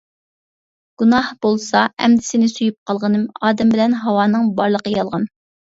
گۇناھ بولسا ئەمدى سېنى سۆيۈپ قالغىنىم، ئادەم بىلەن ھاۋانىڭ بارلىقى يالغان!!!